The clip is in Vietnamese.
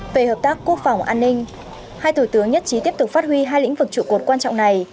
về hợp tác quốc phòng an ninh hai thủ tướng nhất trí tiếp tục phát huy hai lĩnh vực trụ cột quan trọng này